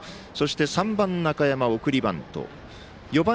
３番、中山、送りバント。